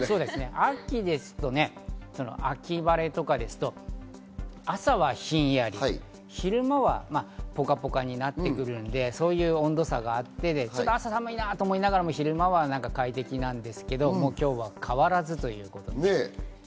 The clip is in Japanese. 秋ですと秋晴れとか、朝はひんやり、昼間はポカポカになってくるので、そういう温度差があって、朝寒いなと思いながらも昼間は快適なんですけれど今日は変わらず。